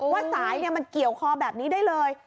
ว่าสายมันเกี่ยวคอแบบนี้ได้เลย